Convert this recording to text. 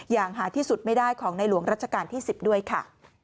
อย่างหาที่สุดไม่ได้ของในหลวงรัชกาลที่๑๐ด้วยค่ะ